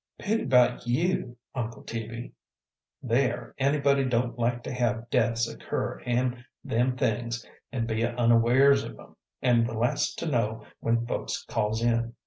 "Pity 'bout you, Uncle Teaby! There, anybody don't like to have deaths occur an' them things, and be unawares of 'em, an' the last to know when folks calls in."